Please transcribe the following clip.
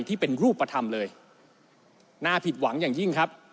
ที่เป็นรูปธรรมเลยน่าผิดหวังอย่างยิ่งครับ